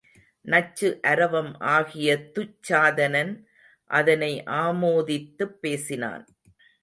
நச்சு அரவம் ஆகிய துச் சாதனன் அதனை ஆமோதித்துப் பேசினான்.